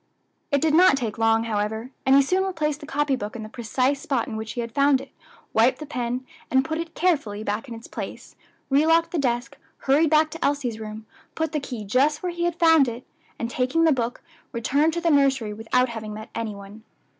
It did not take long, however, and he soon replaced the copy book in the precise spot in which he had found it, wiped the pen, and put it carefully back in its place, relocked the desk, hurried back to Elsie's room, put the key just where he had found it, and taking the book, returned to the nursery without having met any one.